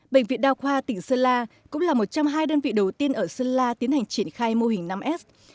bệnh viện đào khoa tỉnh sơn la cũng là một trăm linh hai đơn vị đầu tiên ở sơn la tiến hành triển khai mô hình năm s